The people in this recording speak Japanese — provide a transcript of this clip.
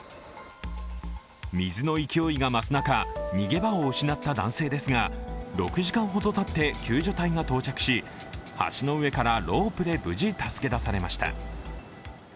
水の勢いが増す中、逃げ場を失った男性ですが６時間ほどたって救助隊が到着し橋の上からロープで無事、助け出されました。